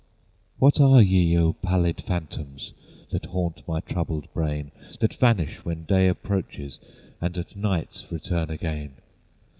What are ye, O pallid phantoms! That haunt my troubled brain? That vanish when day approaches, And at night return again?